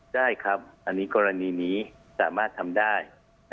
ได้ครับอันนี้กรณีนี้สามารถทำได้